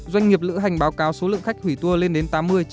doanh nghiệp lữ hành báo cáo số lượng khách hủy tour lên đến tám mươi chín mươi